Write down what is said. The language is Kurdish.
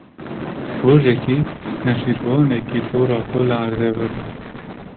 Rojekê nêçîrvanekî tora xwe li erdê veda.